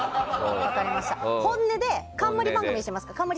本音で、冠番組にしますか？